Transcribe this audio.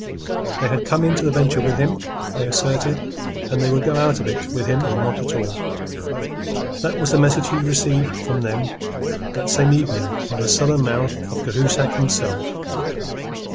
They had come into the venture with him, they asserted, and they would go out of it with him or not at all. That was the message he received from them that same evening by the sullen mouth of Cahusac himself.